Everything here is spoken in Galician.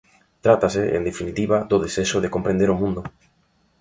Trátase, en definitiva, do desexo de comprender o mundo.